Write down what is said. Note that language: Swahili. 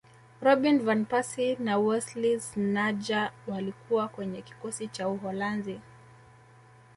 robin van persie na wesley snejder walikuwa kwenye kikosi cha uholanzi